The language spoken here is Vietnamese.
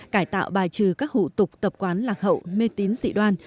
cải tạo bài trừ các hủ tục tập quán lạc hậu mê tín dị đoan